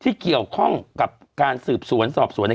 ที่เกี่ยวข้องกับการสืบสวนสอบสวนเนี่ย